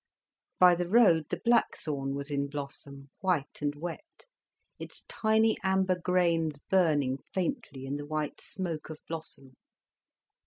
By the road the black thorn was in blossom, white and wet, its tiny amber grains burning faintly in the white smoke of blossom.